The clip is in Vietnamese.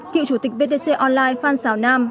cựu chủ tịch vtc online phan xảo nam